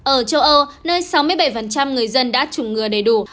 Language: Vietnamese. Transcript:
ở châu âu nơi sáu mươi bảy người dân đã chủng ngừa đầy đủ